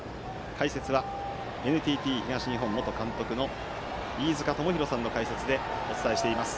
解説はＮＴＴ東日本元監督の飯塚智広さんの解説でお伝えしています。